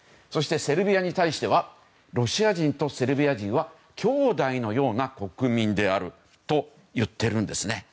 そして、セルビアに対してはロシア人とセルビア人は兄弟のような国民であると言っているんですね。